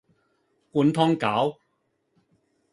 灌湯餃